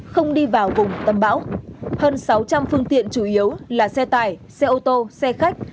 không đi vào vùng tâm bão hơn sáu trăm linh phương tiện chủ yếu là xe tải xe ô tô xe khách